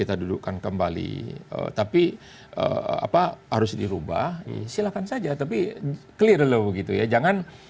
kita dudukkan kembali tapi apa harus dirubah silakan saja tapi clear lo gitu ya jangan